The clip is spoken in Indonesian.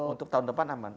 untuk tahun depan aman